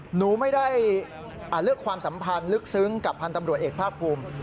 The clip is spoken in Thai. หนูไม่ได้เลือกความสัมพันธ์ลึกซึ้งกับพันธ์ตำรวจเอกภาคภูมิ